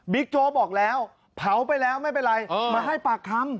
โจ๊กบอกแล้วเผาไปแล้วไม่เป็นไรมาให้ปากคำ